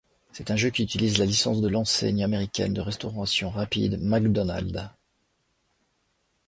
C'est un jeu qui utilise la licence de l'enseigne américaine de restauration rapide McDonald's.